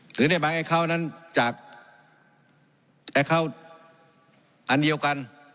หรือในบางแอคคอลนั้นจากแอคคอลอันเดียวกัน